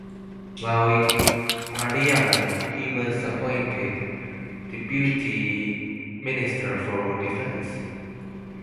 While in parliament he was appointed deputy minister for defence.